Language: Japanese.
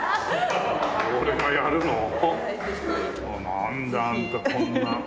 なんであんたこんな。